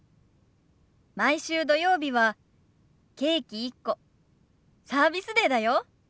毎週土曜日はケーキ１個サービスデーだよ。